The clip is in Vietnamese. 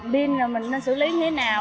pin mình nên xử lý như thế nào